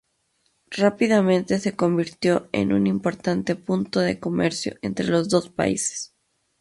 Rápidamente se convirtió en un importante punto de comercio entre los dos países.